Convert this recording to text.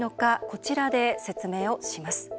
こちらで説明をします。